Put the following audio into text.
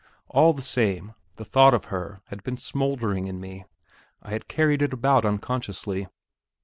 All the same, the thought of her had been smouldering in me. I had carried it about unconsciously.